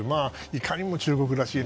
いかにも中国らしい。